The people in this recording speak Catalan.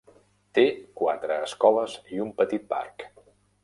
Té quatre escoles i un petit parc.